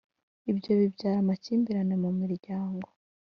ibyo bibyara amakimbirane mumuryango